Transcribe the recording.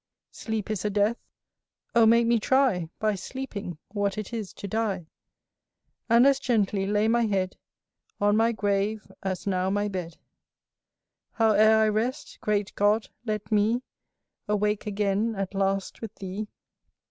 Sleep is a death; Oh make me try, By sleeping, what it is to die! And as gently lay my head On my grave, as now my bed. Howe'er I rest, great God, let me Awake again at last with thee.